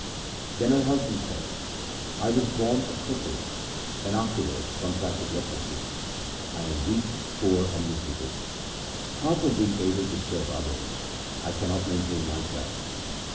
Then her husband said :' I was born a cripple, and I afterwards contracted leprosy. I am weak, poor, and miserable. Far from being able to serve others, I cannot maintain myself.